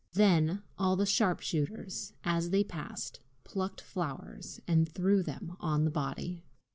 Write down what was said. Then all the sharpshooters, as they passed, plucked flowers and threw them on the body.